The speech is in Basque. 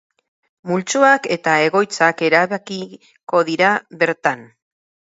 Multzoak eta egoitzak erabakiko dira bertan.